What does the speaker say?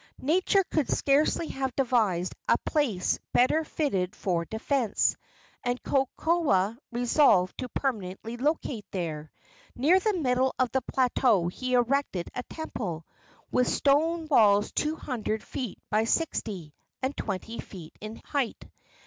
Nature could scarcely have devised a place better fitted for defence, and Kokoa resolved to permanently locate there. Near the middle of the plateau he erected a temple, with stone walls two hundred feet by sixty, and twenty feet in height.